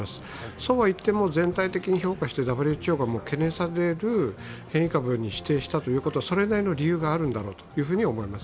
そうはいっても全体的に評価して、ＷＨＯが懸念される変異株に指定したということはそれなりの理由があるんだろうと思います。